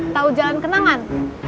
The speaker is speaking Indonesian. tahu jalan kenangan